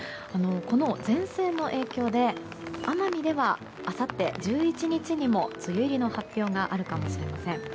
この前線の影響で奄美ではあさって１１日にも梅雨入りの発表があるかもしれません。